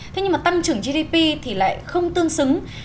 thế nhưng mà tăng trưởng gdp thì lại không tương xứng